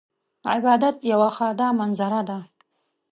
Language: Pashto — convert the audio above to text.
عبادت یوه خاضه منظره ده .